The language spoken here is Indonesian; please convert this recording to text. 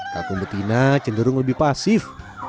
kampung betina cenderung lebih pasif